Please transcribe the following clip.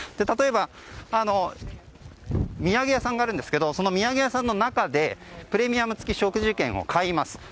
例えば土産屋さんがあるんですがその土産屋さんの中でプレミアム付商品券を買います。